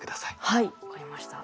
はい分かりました。